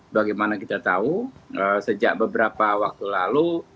bagaimana kita tahu sejak beberapa waktu lalu